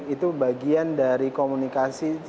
itu bagian dari komunikasi